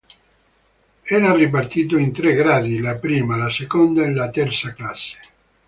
Era era ripartito in tre gradi: la Prima, la Seconda e la Terza Classe.